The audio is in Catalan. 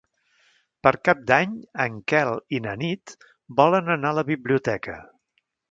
Per Cap d'Any en Quel i na Nit volen anar a la biblioteca.